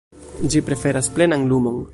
Ĝi preferas plenan lumon.